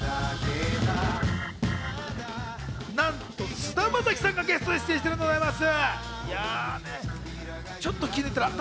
なんと菅田将暉さんがゲスト出演しているんでございます。